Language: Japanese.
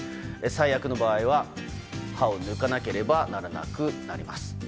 最悪の場合は歯を抜かなければならなくなります。